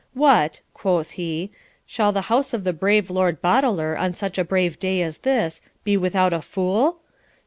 'What,' quoth he,'shall the house of the brave Lord Boteler, on such a brave day as this, be without a fool?